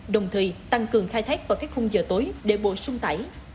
đồng thời tăng cường khai thác vào các khung giờ tối để bổ sung tải